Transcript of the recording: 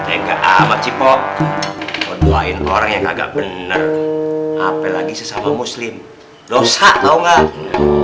enggak amat cipo keduain orang yang kagak bener apel lagi sesama muslim dosa tahu nggak